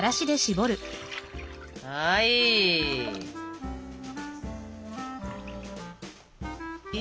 はい！